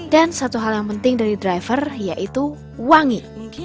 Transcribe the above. dan satu hal yang penting dari driver yaitu wangi